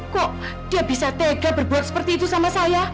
kok dia bisa tega berbuat seperti itu sama saya